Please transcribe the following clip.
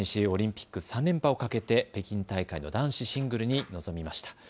オリンピック３連覇をかけて北京大会の男子シングルに臨みました。